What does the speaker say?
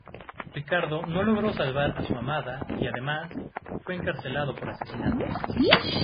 Ricardo no logró salvar a su amada y además fue encarcelado por asesinato.